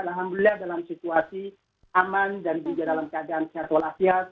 alhamdulillah dalam situasi aman dan juga dalam keadaan sehat walafiat